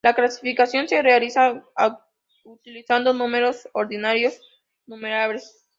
La clasificación se realiza utilizando números ordinales numerables.